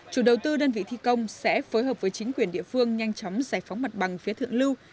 chủ đầu tư đơn vị thi công sẽ phối hợp với chính quyền địa phương nhanh chóng giải phóng mặt bằng phía thượng lưu